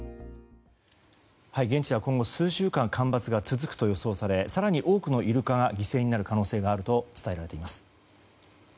現地では今後、数週間干ばつが続くとされ更に多くのイルカが犠牲になる可能性があると伝えられています。